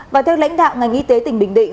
và theo lãnh đạo ngành y tế tỉnh bình định